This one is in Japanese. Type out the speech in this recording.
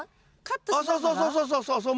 あっそうそうそうそうそうそう。